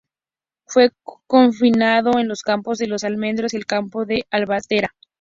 Fue confinado en los campos de Los Almendros y el campo de Albatera.